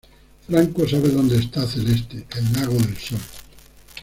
Franco sabe dónde está Celeste: el lago del Sol.